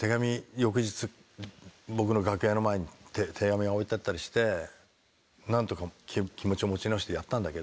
翌日僕の楽屋の前に手紙が置いてあったりして何とか気持ちを持ち直してやったんだけど。